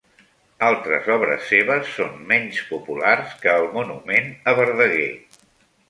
Altres obres seves són menys populars que el monument a Verdaguer.